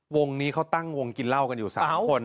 วงนี้เขาตั้งวงกินเหล้ากันอยู่๓คน